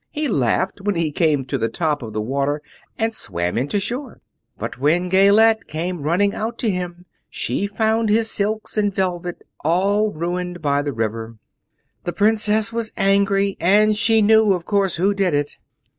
He laughed, when he came to the top of the water, and swam in to shore. But when Gayelette came running out to him she found his silks and velvet all ruined by the river. "The princess was angry, and she knew, of course, who did it.